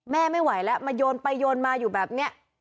ไม่ไหวแล้วมาโยนไปโยนมาอยู่แบบนี้